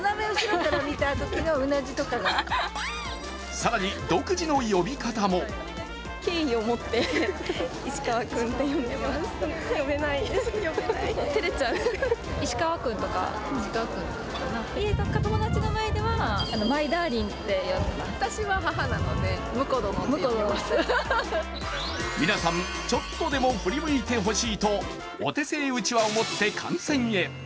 更に、独自の呼び方も皆さん、ちょっとでも振り向いてほしいとお手製うちわを持って観戦へ。